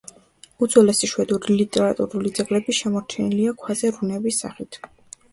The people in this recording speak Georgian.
უძველესი შვედური ლიტერატურული ძეგლები შემორჩენილია ქვაზე რუნების სახით.